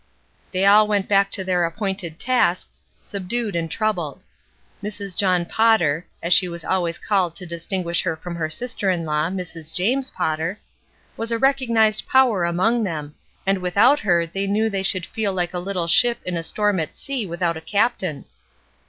They all went back to their appointed tasks, subdued and troubled. Mrs. John Potter — as she was always called to distinguish her from her sister in law, Mrs. James Potter — was a recognized power among them, and with out her they knew they should feel Uke a little ship in a storm at sea without a captain.